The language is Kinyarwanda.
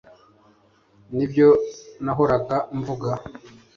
Nibyo nahoraga mvuga